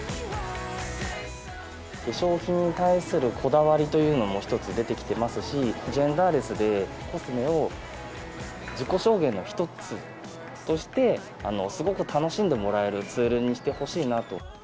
化粧品に対するこだわりというのも一つ出てきてますし、ジェンダーレスで、コスメを自己表現の一つとして、すごく楽しんでもらえるツールにしてほしいなと。